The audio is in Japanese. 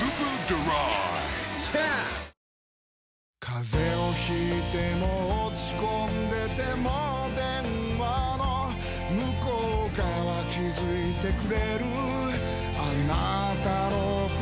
風邪を引いても落ち込んでても電話の向こう側気付いてくれるあなたの声